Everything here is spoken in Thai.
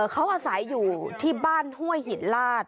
เขาอาศัยอยู่ที่บ้านห้วยหินลาด